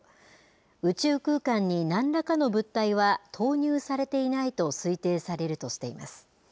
宇宙空間になんらかの物体は投入されていないと推定されるとしています。